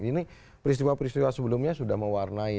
ini peristiwa peristiwa sebelumnya sudah mewarnai